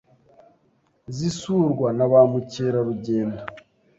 zisurwa na ba mukerarugendo